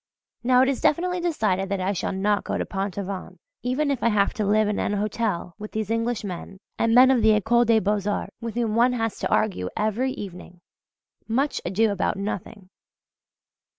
Now it is definitely decided that I shall not go to Pont Aven if I have to live in an hotel with these Englishmen and men of the Ecole des Beaux Arts, with whom one has to argue every evening much ado about nothing!